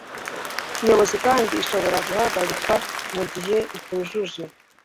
Nyobozi kandi ishobora guhagarikwa mu gihe itujuje